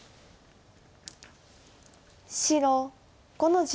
白５の十。